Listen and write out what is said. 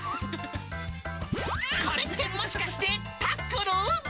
これってもしかしてタックル？